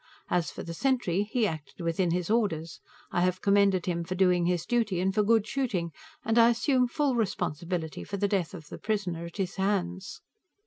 As for the sentry, he acted within his orders; I have commended him for doing his duty, and for good shooting, and I assume full responsibility for the death of the prisoner at his hands.